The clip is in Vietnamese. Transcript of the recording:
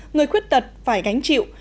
người khuyết tật phải gánh chịu